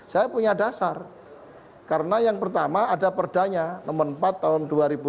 saya punya dasar karena yang pertama ada perda nya nomor empat tahun dua ribu lima